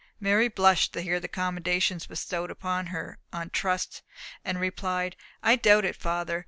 Mary blushed to hear the commendation bestowed upon her on trust, and replied, "I doubt it, father.